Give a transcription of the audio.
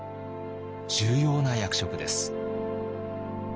重要な役職です。